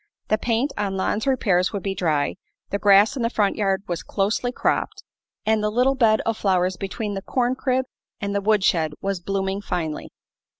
The paint on Lon's repairs would be dry, the grass in the front yard was closely cropped, and the little bed of flowers between the corn crib and the wood shed was blooming finely.